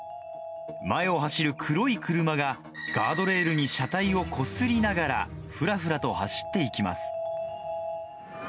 前を走る黒い車が、ガードレールに車体をこすりながら、ふらふらと走っていきます。